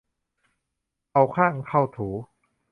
เอาข้างเข้าถู